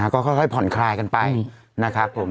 ก็ค่อยผ่อนคลายกันไปนะครับผม